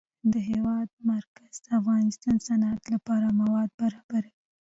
د هېواد مرکز د افغانستان د صنعت لپاره مواد برابروي.